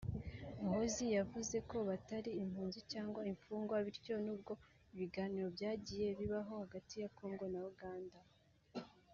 Muhoozi yavuze ko batari impunzi cyangwa imfungwa bityo nubwo ibiganiro byagiye bibaho hagati ya Congo na Uganda